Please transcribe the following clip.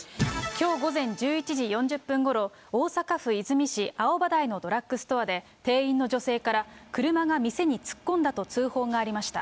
きょう午前１１時４０分ごろ、大阪府和泉市あおばだいのドラッグストアで、店員の女性から、車が店に突っ込んだと通報がありました。